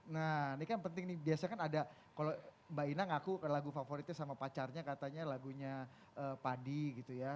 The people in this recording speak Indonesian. nah ini kan penting nih biasanya kan ada kalau mbak ina ngaku lagu favoritnya sama pacarnya katanya lagunya padi gitu ya